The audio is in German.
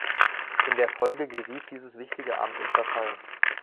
In der Folge geriet dieses wichtige Amt in Verfall.